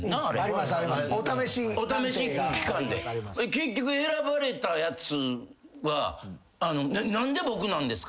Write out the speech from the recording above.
結局選ばれたやつは何で僕なんですか？